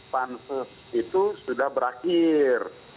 pansus itu sudah berakhir